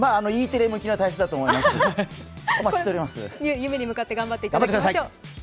テレ向きの体質だと思います、夢に向かって頑張っていただきましょう。